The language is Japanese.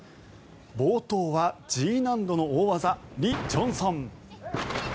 冒頭はＧ難度の大技リ・ジョンソン。